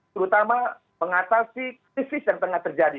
terutama mengatasi krisis yang tengah terjadi